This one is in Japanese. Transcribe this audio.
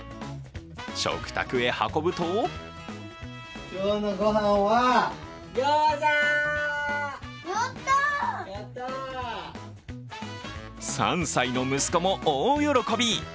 食卓へ運ぶと３歳の息子も大喜び。